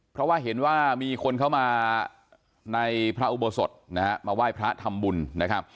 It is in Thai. เพราะว่าเห็นว่ามีคนเข้ามาในพระอุโบสถนะฮะมาไหว้พระทำบุญนะครับ